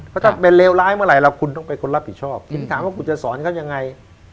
เพราะถ้าเป็นเลวร้ายเมื่อไหร่เราคุณต้องเป็นคนรับผิดชอบผมถามว่าคุณจะสอนเขายังไง